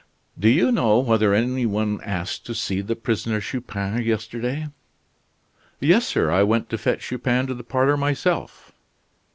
"Do you know whether any one asked to see the prisoner Chupin yesterday?" "Yes, sir, I went to fetch Chupin to the parlor myself."